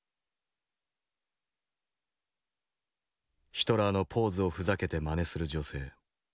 ヒトラーのポーズをふざけてまねする女性。